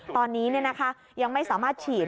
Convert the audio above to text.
ตอนนี้ยังไม่สามารถฉีด